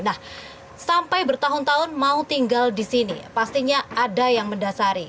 nah sampai bertahun tahun mau tinggal di sini pastinya ada yang mendasari